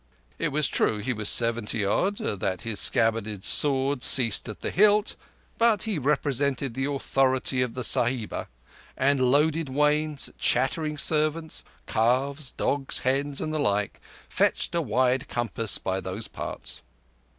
It is true he was seventy odd, that his scabbarded sword ceased at the hilt; but he represented the authority of the Sahiba, and loaded wains, chattering servants, calves, dogs, hens, and the like, fetched a wide compass by those parts.